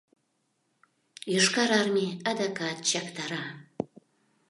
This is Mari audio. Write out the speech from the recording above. Йошкар Армий адакат чактара.